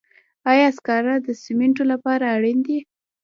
آیا سکاره د سمنټو لپاره اړین دي؟